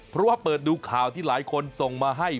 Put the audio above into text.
เพราะว่าเปิดดูข่าวที่หลายคนส่งมาให้